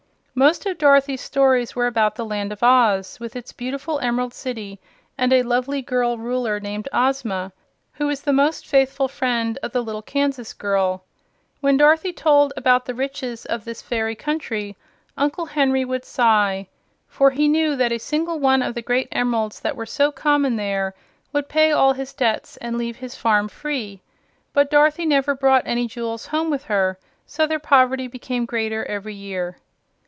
Most of Dorothy's stories were about the Land of Oz, with its beautiful Emerald City and a lovely girl Ruler named Ozma, who was the most faithful friend of the little Kansas girl. When Dorothy told about the riches of this fairy country Uncle Henry would sigh, for he knew that a single one of the great emeralds that were so common there would pay all his debts and leave his farm free. But Dorothy never brought any jewels home with her, so their poverty became greater every year.